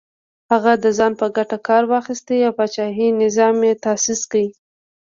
هغه د ځان په ګټه کار واخیست او پاچاهي نظام یې تاسیس کړ.